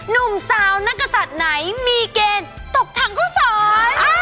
หนุ่มสาวนักศัตริย์ไหนมีเกณฑ์ตกถังเข้าสอน